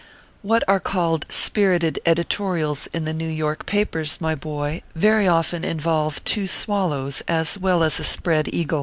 What are called Spirited Editorials in the New York papers, my boy, very often involve two swal lows as well as a spread eagle.